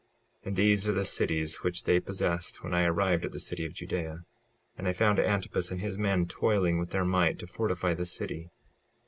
56:15 And these are the cities which they possessed when I arrived at the city of Judea; and I found Antipus and his men toiling with their might to fortify the city.